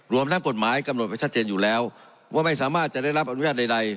รวมทั้งกฎหมายกำหนดไว้ชัดเจนอยู่แล้วว่าไม่สามารถจะได้รับอนุญาตใด